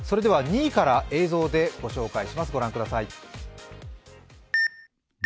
２位から映像でご紹介します。